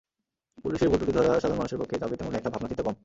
পুলিশের ভুলত্রুটি ধরা, সাধারণ মানুষের পক্ষে যাবে তেমন লেখা, ভাবনাচিন্তা কম।